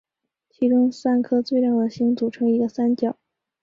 其中三颗最亮的星组成一个三角。